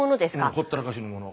ほったらかしのもの。